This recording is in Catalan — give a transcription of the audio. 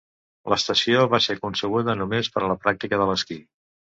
L'estació va ser concebuda només per a la pràctica de l'esquí.